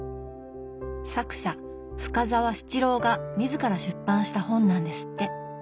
作者深沢七郎が自ら出版した本なんですって。